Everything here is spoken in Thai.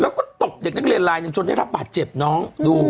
แล้วก็ตกเด็กนักเรียนหลายจนได้รับบาดเจ็บน้อง